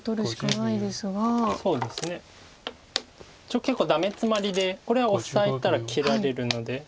一応結構ダメヅマリでこれはオサえたら切られるので。